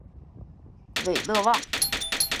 韦勒旺。